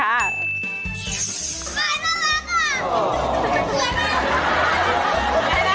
ทำไมน่ารักล่ะ